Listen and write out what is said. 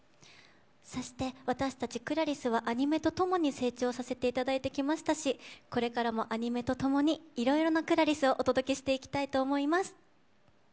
そして、私たちＣｌａｒｉＳはアニメとともに成長させていただいてきましたしこれからもアニメとともにいろいろなＣｌａｒｉＳをお届けしていきたいと思います。